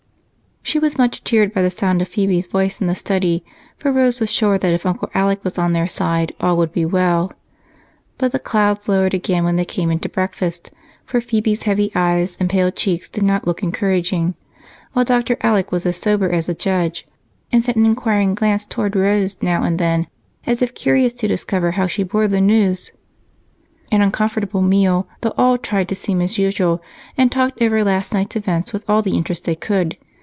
She was much cheered by the sound of Phebe's voice in the study, for Rose was sure that if Uncle Alec was on their side all would be well. But the clouds lowered again when they came in to breakfast, for Phebe's heavy eyes and pale cheeks did not look encouraging, while Dr. Alec was as sober as a judge and sent an inquiring glance toward Rose now and then as if curious to discover how she bore the news. An uncomfortable meal, though all tried to seem as usual and talked over last night's events with all the interest they could.